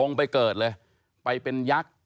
นั่นแหละสิเขายิบยกขึ้นมาไม่รู้ว่าจะแปลความหมายไว้ถึงใคร